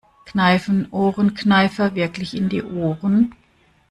Kneifen Ohrenkneifer wirklich in die Ohren?